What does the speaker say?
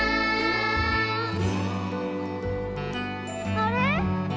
あれ？